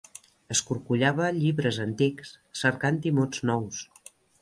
Escorcollava llibres antics cercant-hi mots nous.